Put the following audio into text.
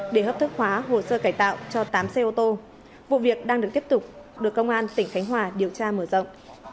để hấp thức hóa hồ sơ cải tạo cho tám xe ô tô vụ việc đang được tiếp tục được công an tỉnh khánh hòa điều tra mở rộng